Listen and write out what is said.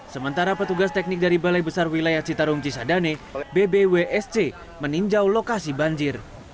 sementara petugas teknik dari balai besar wilayah citarum cisadane bbwsc meninjau lokasi banjir